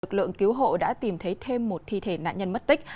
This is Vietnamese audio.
lực lượng cứu hộ đã tìm thấy thêm một thi thể nạn nhân mất tích